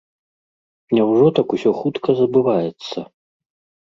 Няўжо так усё хутка забываецца?